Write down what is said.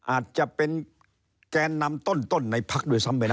อาจจะเป็นแกนนำต้นในพักด้วยซ้ำไปนะ